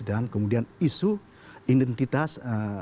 dan kemudian isu identitas